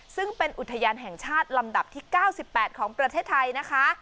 ซึ่งเป็นอุทยานแห่งชาติลำดับที่๙๘ของประเทศไทยนะคะ